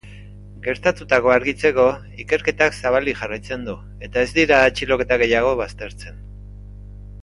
Gertatutako argitzeko ikerketa zabalik jarraitzen du, eta ez dira atxiloketa gehiago baztertzen.